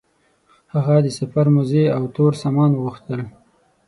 هغه د سفر موزې او تور سامان وغوښتل.